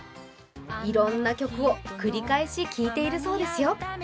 いろんな曲を繰り返し聴いているそうですよ。